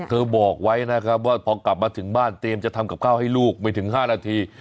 บอกไว้นะครับว่าพอกลับมาถึงบ้านเตรียมจะทำกับข้าวให้ลูกไม่ถึง๕นาที